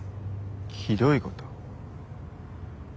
ひどいこと？